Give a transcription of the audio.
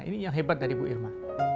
ini yang hebat dari bu irma